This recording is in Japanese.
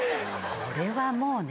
これはもうね。